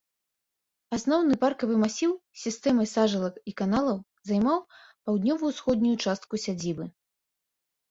Асноўны паркавы масіў з сістэмай сажалак і каналаў займаў паўднёва-ўсходнюю частку сядзібы.